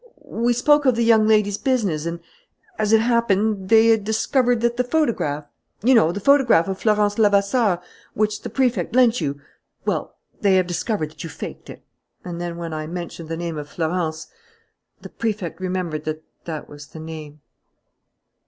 We spoke of the young lady's business. And, as it happened, they had discovered that the photograph you know, the photograph of Florence Levasseur which the Prefect lent you well, they have discovered that you faked it. And then when I mentioned the name of Florence, the Prefect remembered that that was the name."